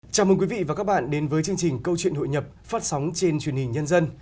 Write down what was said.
chào mừng quý vị và các bạn đến với chương trình câu chuyện hội nhập phát sóng trên truyền hình nhân dân